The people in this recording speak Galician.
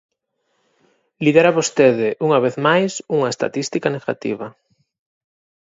Lidera vostede, unha vez máis, unha estatística negativa.